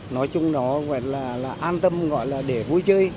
nói chung đó là an tâm gọi là để vui chơi